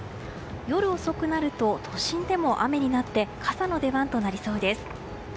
夜遅くなると都心でも雨になって傘の出番となりそうです。